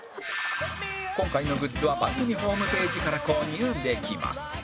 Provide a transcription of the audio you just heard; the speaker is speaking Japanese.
今回のグッズは番組ホームページから購入できます